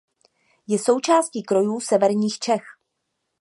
Je součástí krojů severních Čech.